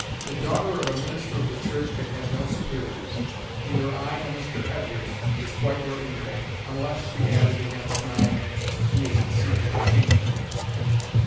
The daughter of a minister of the church can have no superiors. Neither I nor Mr. Edwards is quite your equal, unless," she added, again smiling, "he is in secret a king."